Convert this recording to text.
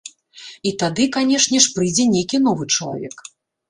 І тады, канешне ж, прыйдзе нейкі новы чалавек.